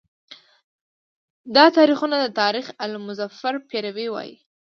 دا تاریخونه د تاریخ آل مظفر په پیروی وایي.